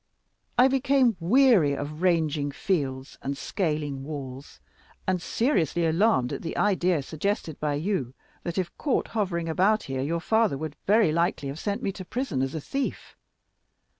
I became weary of ranging fields and scaling walls, and seriously alarmed at the idea suggested by you, that if caught hovering about here your father would very likely have me sent to prison as a thief.